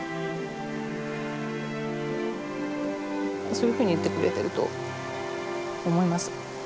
そういうふうに言ってくれてると思います。